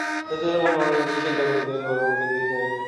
সুচরিতা মনে মনে কী চিন্তা করিতে করিতে গোরার মুরে দিকে চাহিয়া রহিল।